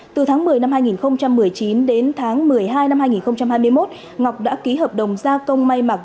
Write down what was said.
từ tháng một mươi năm hai nghìn một mươi chín đến tháng một mươi hai năm hai nghìn hai mươi một ngọc đã ký hợp đồng gia công may mặc